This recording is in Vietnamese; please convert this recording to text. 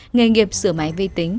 nghề nghiệp sửa máy vi tính